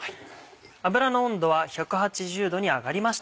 油の温度は１８０℃に上がりました。